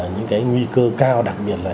những cái nguy cơ cao đặc biệt là